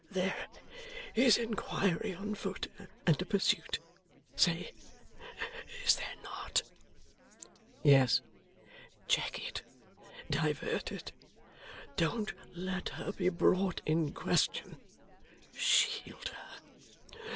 There is inquiry on foot, and pursuit. Say! Is there not?' 'Yes.' 'Check it; divert it! Don't let her be brought in question. Shield her.